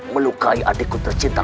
melukai adikku tercinta